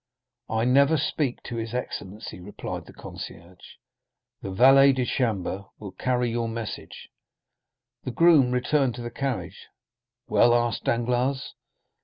"I never speak to his excellency," replied the concierge; "the valet de chambre will carry your message." The groom returned to the carriage. "Well?" asked Danglars.